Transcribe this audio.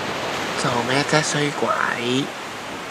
做咩啫衰鬼